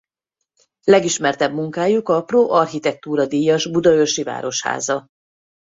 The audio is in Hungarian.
Legismertebb munkájuk a Pro Architectura díjas budaörsi városháza.